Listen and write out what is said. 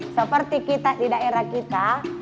seperti kita di daerah kita